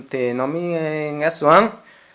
thì nó mới ngát xuống